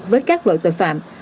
với các loại tội phạm